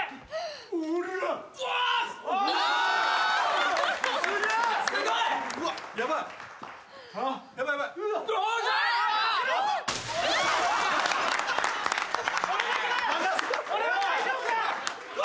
俺は大丈夫だ。